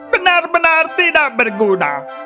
benar benar tidak berguna